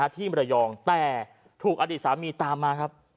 มรยองแต่ถูกอดีตสามีตามมาครับ